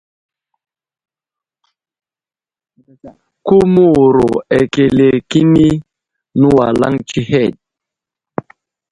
Ku məwuro akəle kəni nəwalaŋ tsəhed.